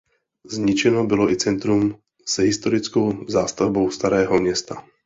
Zničeno bylo i centrum s historickou zástavbou Starého města.